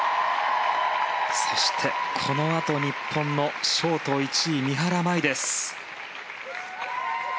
そして、このあと日本のショート１位三原舞依です。